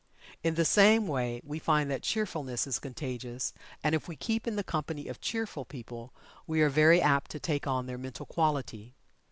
In the same way we find that cheerfulness is contagious, and if we keep in the company of cheerful people we are very apt to take on their mental quality.